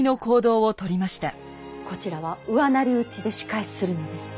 こちらは後妻打ちで仕返しするのです。